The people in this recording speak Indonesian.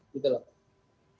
gitu lah pak